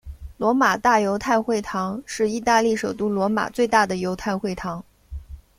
罗马大犹太会堂是意大利首都罗马最大的犹太会堂。